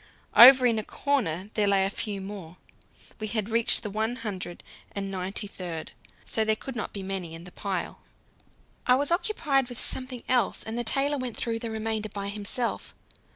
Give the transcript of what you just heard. Over in a corner there lay a few more; we had reached the one hundred and ninety third, so there could not be many in the pile. I was occupied with something else, and the tailor went through the remainder by himself.